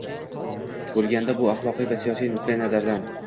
bo‘lganda bu axloqiy va siyosiy nuqtai nazardan